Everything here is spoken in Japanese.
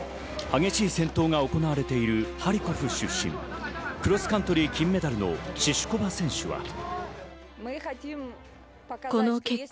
激しい戦闘が行われているハリコフ出身、クロスカントリー金メダルのシシュコバ選手は。